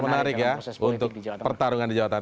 menarik ya untuk pertarungan di jawa tengah